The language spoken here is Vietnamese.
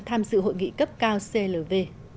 tham dự hội nghị cấp cao clv